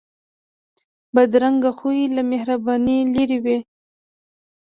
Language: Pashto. بدرنګه خوی له مهربانۍ لرې وي